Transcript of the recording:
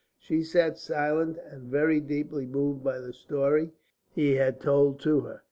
She sat silent and very deeply moved by the story he had told to her.